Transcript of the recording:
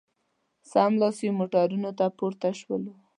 سملاسي موټرانو ته پورته شولو.